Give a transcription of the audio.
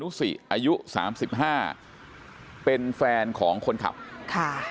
อนุสวรรค์อายุสามสิบห้าเป็นแฟนของคนขับค่ะ